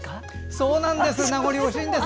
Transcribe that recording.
そうなんです。